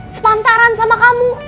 sepantaran sama kamu